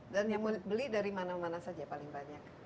dan yang beli dari mana mana saja paling banyak